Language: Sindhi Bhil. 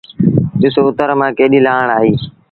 ڏس اُتر مآݩ ڪيڏيٚ لآڻ اهي۔